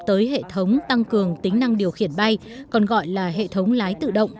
tới hệ thống tăng cường tính năng điều khiển bay còn gọi là hệ thống lái tự động